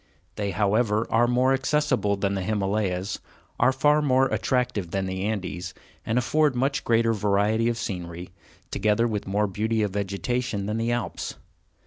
They, however, are more accessible than the Himalayas, are far more attractive than the Andes, and afford much greater variety of scenery, together with more beauty of vegetation, than the Alps.